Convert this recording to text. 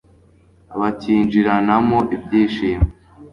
bacyinjiranamo ibyishimo